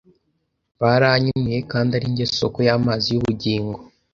baranyimūye kandi ari jye sōko y’amazi y’ubugingo,